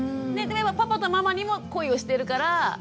パパとママにも恋をしてるから離れると不安。